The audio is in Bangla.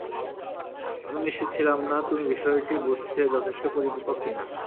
আমি নিশ্চিত ছিলাম না, তুমি বিষয়টি বুঝতে যথেষ্ট পরিপক্ক কিনা?